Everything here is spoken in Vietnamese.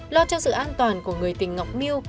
lo cho sự an toàn của người tình ngọc miu